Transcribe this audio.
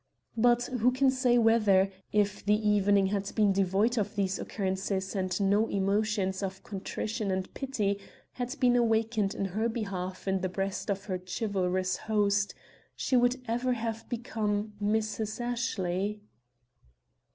But who can say whether, if the evening had been devoid of these occurrences and no emotions of contrition and pity had been awakened in her behalf in the breast of her chivalrous host, she would ever have become Mrs. Ashley?